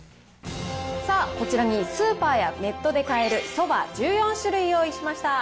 さあ、こちらにスーパーやネットで買えるそば１４種類を用意しました。